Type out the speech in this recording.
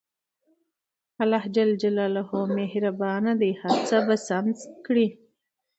خدای مهربان دی هر څه به سم کړي